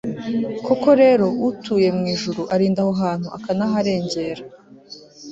koko rero, utuye mu ijuru arinda aho hantu akanaharengera